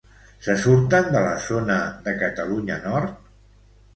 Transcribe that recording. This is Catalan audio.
Se surten de la zona de Catalunya Nord?